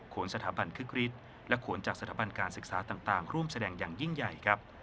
สถาบันคึกฤทธิ์และโขนจากสถาบันการศึกษาต่างร่วมแสดงอย่างยิ่งใหญ่ครับ